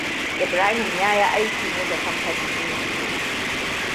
Ibrahim yayi aiki ne ga kamfanin injiniya.